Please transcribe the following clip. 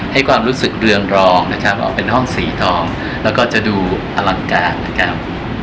ความรู้สึกเรืองรองนะครับออกเป็นห้องสีทองแล้วก็จะดูอลังการนะครับ